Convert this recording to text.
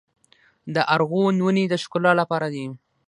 د ارغوان ونې د ښکلا لپاره دي؟